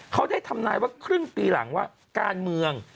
เขาได้ทำนายว่าครึ่งปีหลังว่าการเมือง